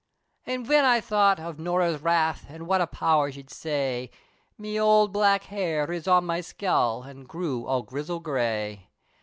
Then, whin I thought of Norah's wrath, An' what a power she'd say, Me fine black hair, riz on me skull, An' grew all grizzle gray!